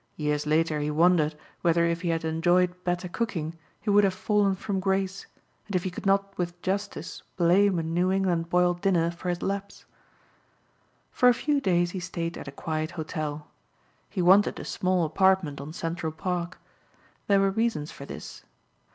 Years later he wondered whether if he had enjoyed better cooking he would have fallen from grace, and if he could not with justice blame a New England boiled dinner for his lapse. For a few days he stayed at a quiet hotel. He wanted a small apartment on Central Park. There were reasons for this.